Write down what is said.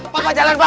papa jalan pak